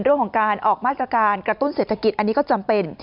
เรื่องของการออกมาตรการกระตุ้นเศรษฐกิจอันนี้ก็จำเป็น